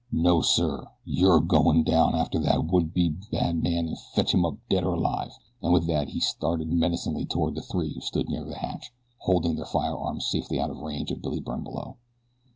No sir! You're a goin' down after that would be bad man an' fetch him up dead or alive," and with that he started menacingly toward the three who stood near the hatch, holding their firearms safely out of range of Billy Byrne below.